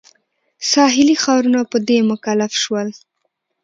ساحلي ښارونه په دې مکلف شول.